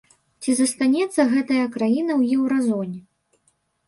Ці застанецца гэтая краіна ў еўразоне?